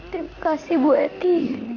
terima kasih bu eti